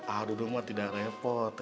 aduh rumah tidak repot